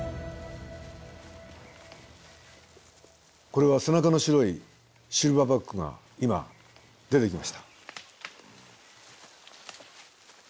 これは背中の白いシルバーバックが今出てきました。